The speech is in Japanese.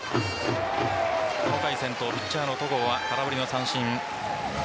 この回先頭ピッチャーの戸郷は空振りの三振。